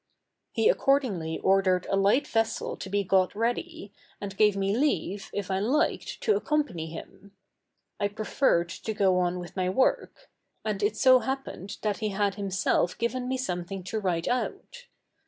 He accordingly ordered a light vessel to be got ready, and gave me leave, if I liked, to accompany him. I preferred to go on with my work; and it so happened that he had himself given me something to write out.